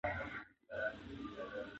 د ژوند هره شېبه ډېره قیمتي ده.